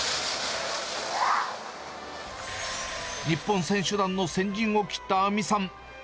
日本選手団の先陣を切った杏実さん。